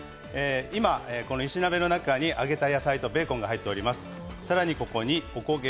今、石鍋の中に揚げた野菜とベーコンが入っています。